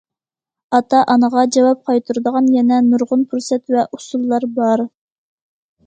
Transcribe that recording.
ئاتا- ئانىغا جاۋاب قايتۇرىدىغان يەنە نۇرغۇن پۇرسەت ۋە ئۇسۇللار بار.